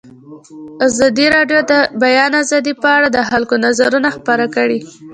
ازادي راډیو د د بیان آزادي په اړه د خلکو نظرونه خپاره کړي.